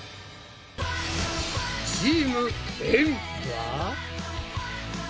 チームエんは？